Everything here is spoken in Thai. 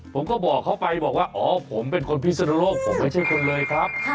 ผมก็บอกเขาไปบอกว่าอ๋อผมเป็นคนพิศนโลกผมไม่ใช่คนเลยครับ